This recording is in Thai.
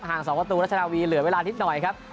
๒ประตูรัชนาวีเหลือเวลานิดหน่อยครับ